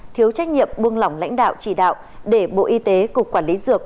thiếu trách nhiệm buông lỏng lãnh đạo chỉ đạo để bộ y tế cục quản lý dược